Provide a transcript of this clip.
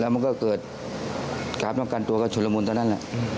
แล้วมันก็เกิดกราฟต้องกันตัวกับฉุนละมุนตอนนั้นแหละอืม